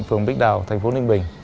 phường bích đào thành phố ninh bình